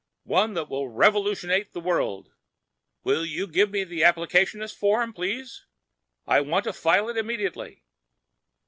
One that will revolutionate the world. Will you give me an applicaceous form, please? I want to file it immediately."